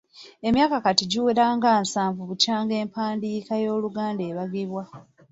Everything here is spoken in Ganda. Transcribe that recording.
Emyaka kati giwera nga nsanvu bukyanga empandiika y’Oluganda ebagibwa.